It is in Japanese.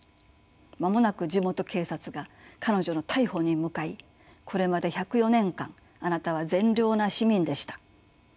間もなく地元警察が彼女の逮捕に向かい「これまで１０４年間あなたは善良な市民でした。